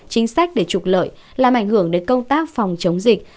chính sách để trục lợi làm ảnh hưởng đến công tác phòng chống dịch